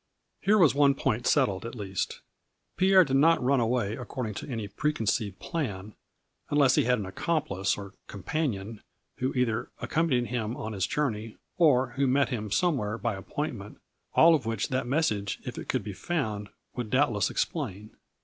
Here was one point settled at least. Pierre did not run away according to any pre conceived plan, unless he had an accomplice or compan ion, who either accompanied him on his journey, or who met him somewhere by appointment, all of which that message, if it could be found, would doubtless explain.